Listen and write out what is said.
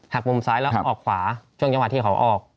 มุมซ้ายแล้วออกขวาช่วงจังหวะที่เขาออก